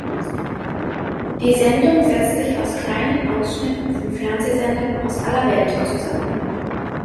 Die Sendung setzt sich aus kleinen Ausschnitten von Fernsehsendern aus aller Welt zusammen.